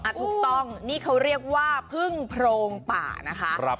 ถูกต้องนี่เขาเรียกว่าพึ่งโพรงป่านะคะ